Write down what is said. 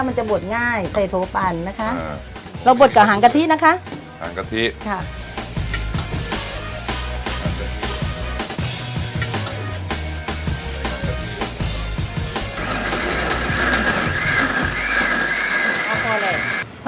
มันจะบวชง่ายใส่โถปันนะคะเราบดกับหางกะทินะคะหางกะทิค่ะ